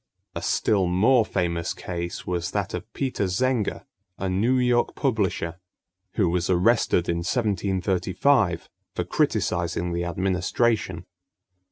A still more famous case was that of Peter Zenger, a New York publisher, who was arrested in 1735 for criticising the administration.